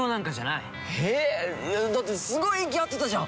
いやだってすごい息合ってたじゃん！？